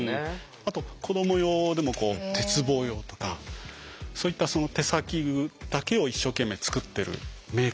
あと子ども用でも鉄棒用とかそういった手先だけを一生懸命つくってるメーカーもあるんですよ。